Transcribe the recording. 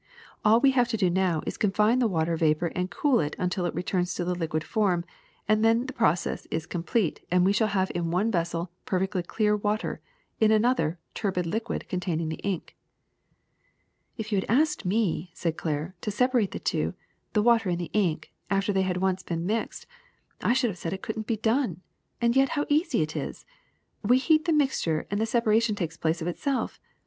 All we have to do now is to confine the water vapor and cool it until it returns to the liquid form ; then the process is complete and we shall have in one vessel perfectly clear water, in another a tur bid liquid containing the ink.'' ^'If you had asked me," said Clair, *Ho separate the two, the water and the ink, after they had once been mixed, I should have said it could n 't be done. And yet how easy it is ! We heat the mixture and the separation takes place of itself.